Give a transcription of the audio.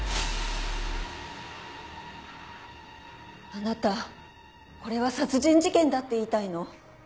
あなたこれは殺人事件だって言いたいの？